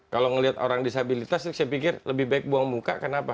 kalau melihat orang disabilitas saya pikir lebih baik buang muka kenapa